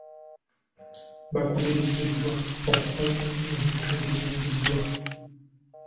Baakubiriziddwa okukuuma ennyo ebintu ebizimbiddwa.